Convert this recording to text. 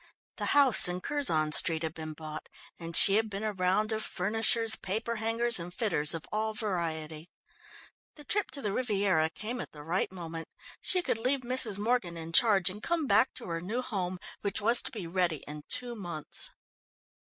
The house in Curzon Street had been bought and she had been a round of furnishers, paper hangers and fitters of all variety. The trip to the Riviera came at the right moment. She could leave Mrs. Morgan in charge and come back to her new home, which was to be ready in two months.